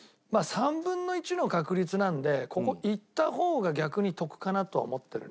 ３分の１の確率なんでここいった方が逆に得かなとは思ってるね。